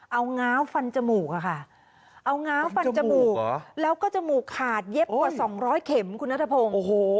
เอาง้าวฟันจมูกอะค่ะเอาง้าวฟันจมูกแล้วก็จมูกขาดเย็บกว่า๒๐๐เข็มคุณนัทพงศ์